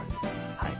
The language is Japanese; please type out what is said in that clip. はい。